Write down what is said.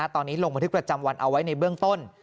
ตอนนี้ลงบันทึกประจำวันเอาไว้ในเบื้องต้น